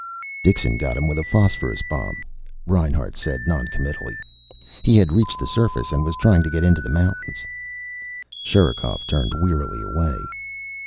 "Dixon got him with a phosphorus bomb," Reinhart said noncommittally. "He had reached the surface and was trying to get into the mountains." Sherikov turned wearily away.